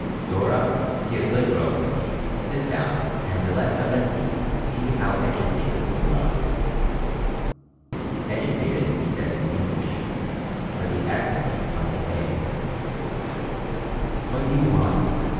Dora, be a good girl, sit down and let Levinsky see how educated you are." ("Educated" he said in English, with the accent on the "a.") "What do you want?"